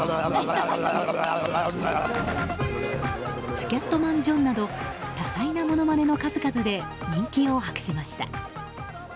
スキャットマン・ジョンなど多彩なものまねの数々で人気を博しました。